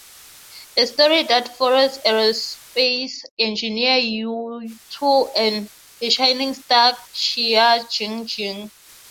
A story that follows aerospace engineer Yu Tu and the shining star Qiao Jingjing.